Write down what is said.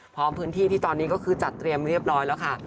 พร้อมพื้นที่ที่ตอนนี้ก็คือจัดเตรียมเรียบร้อยแล้วค่ะ